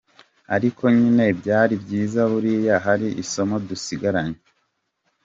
Ariko nyine byari byiza buriya hari isomo dusigaranye.